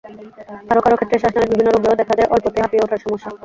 কারও কারও ক্ষেত্রে শ্বাসনালির বিভিন্ন রোগেও দেখা দেয় অল্পতেই হাঁপিয়ে ওঠার সমস্যা।